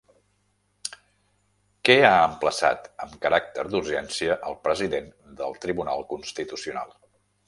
Què ha emplaçat amb caràcter d'urgència el president del Tribunal Constitucional?